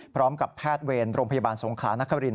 พร้อมกับแพทย์เวรโรงพยาบาลสงขลานคริน